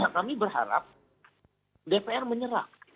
kami berharap dpr menyerah